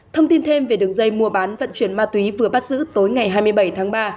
thông tin thêm về đường dây mua bán vận chuyển ma túy vừa bắt giữ tối ngày hai mươi bảy tháng ba